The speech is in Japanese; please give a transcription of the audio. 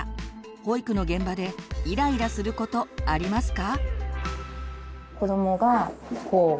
保育の現場でイライラすることありますか？